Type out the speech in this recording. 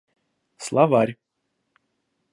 Словарь